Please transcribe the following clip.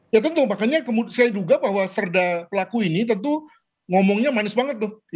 ya tentu makanya saya duga bahwa serda pelaku ini tentu ngomongnya manis banget tuh